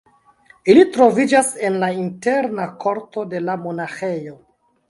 Ili troviĝas nun en la interna korto de la monaĥejo.